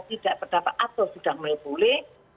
tidak berdampak atau sudah melipuli